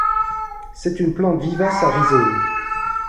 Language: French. C'est une plante vivace à rhizomes.